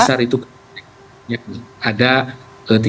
salah satu yang besar itu